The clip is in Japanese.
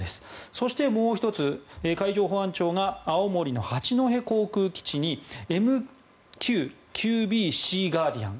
そして、もう１つ、海上保安庁が青森の八戸航空基地にＭＱ９Ｂシーガーディアン